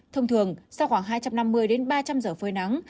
thông thường sau khoảng hai trăm năm mươi đến ba trăm linh giờ phơi nắng